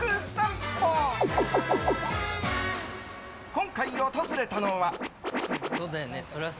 今回訪れたのは。